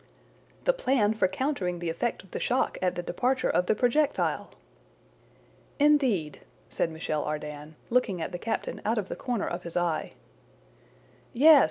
"The plan for countering the effect of the shock at the departure of the projectile!" "Indeed?" said Michel Ardan, looking at the captain out of the corner of his eye. "Yes!